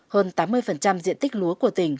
hơn tám mươi diện tích lúa của tỉnh